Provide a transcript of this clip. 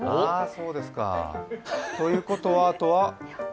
そうですか。ということはあとは？